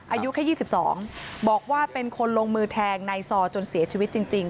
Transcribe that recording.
อายุแค่๒๒บอกว่าเป็นคนลงมือแทงนายซอจนเสียชีวิตจริง